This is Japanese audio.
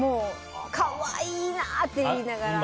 可愛いなって言いながら。